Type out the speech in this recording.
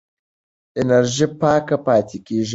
انرژي پاکه پاتې کېږي.